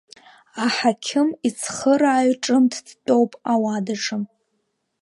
Аҳақьым ицхырааҩ ҿымҭ дтәоуп ауадаҿы.